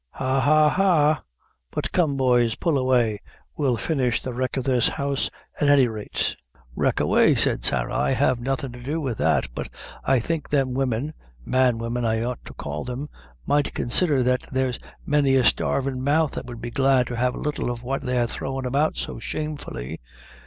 Ha, ha, ha! but come, boys, pull away; we'll finish the wreck of this house, at any rate." "Wreck away," said Sarah, "I have nothin' to do with that; but I think them women man women I ought to call them might consider that there's many a starvin' mouth that would be glad to have a little of what they're throwin' about so shamefully.